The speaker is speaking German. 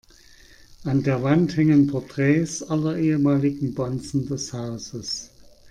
An der Wand hängen Porträts aller ehemaligen Bonzen des Hauses.